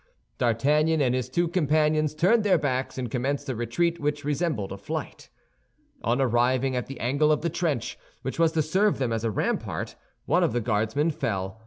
D'Artagnan and his two companions turned their backs, and commenced a retreat which resembled a flight. On arriving at the angle of the trench which was to serve them as a rampart, one of the Guardsmen fell.